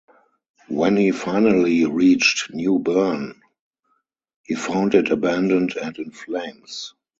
When he finally reached New Bern, he found it abandoned and in flames.